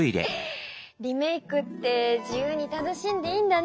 リメイクって自由に楽しんでいいんだね。